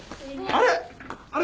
あれ？